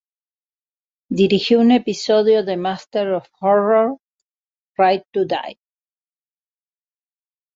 Dirigió un episodio de "Masters of Horror", "Right to Die".